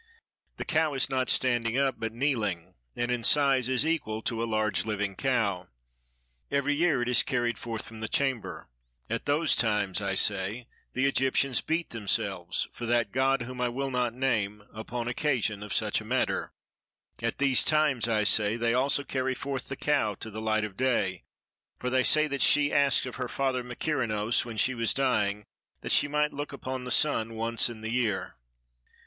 The cow is not standing up but kneeling, and in size is equal to a large living cow. Every year it is carried forth from the chamber, at those times, I say, the Egyptians beat themselves for that god whom I will not name upon occasion of such a matter; at these times, I say, they also carry forth the cow to the light of day, for they say that she asked of her father Mykerinos, when she was dying, that she might look upon the sun once in the year.